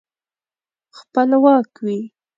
خپلواک وي.